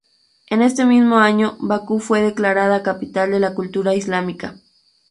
En este mismo año Bakú fue declarada capital de la cultura islámica.